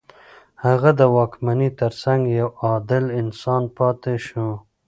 هغه د واکمنۍ تر څنګ يو عادل انسان پاتې شو.